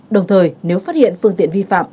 đồng thời nếu phát hiện phương tiện vi phạm